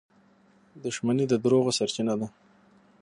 • دښمني د دروغو سرچینه ده.